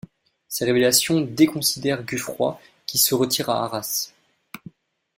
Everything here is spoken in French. Ces révélations déconsidèrent Guffroy, qui se retire à Arras.